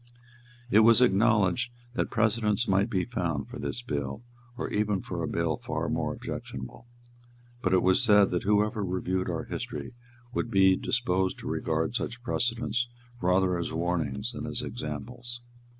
It was acknowledged that precedents might be found for this bill, or even for a bill far more objectionable. But it was said that whoever reviewed our history would be disposed to regard such precedents rather as warnings than as examples.